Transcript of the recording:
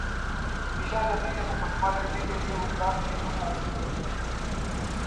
میشا شفیع نے مقدمہ لڑنے کیلئے وکلاء کی خدمات حاصل کرلیں